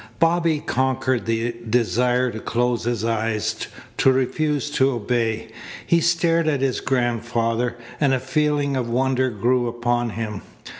Bobby conquered the desire to close his eyes, to refuse to obey. He stared at his grandfather, and a feeling of wonder grew upon him.